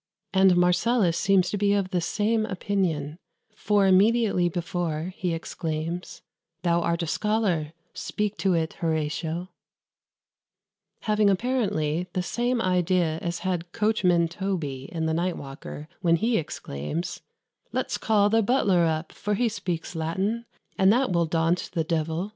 " And Marcellus seems to be of the same opinion, for immediately before, he exclaims "Thou art a scholar, speak to it, Horatio;" having apparently the same idea as had Coachman Toby, in "The Night Walker," when he exclaims "Let's call the butler up, for he speaks Latin, And that will daunt the devil."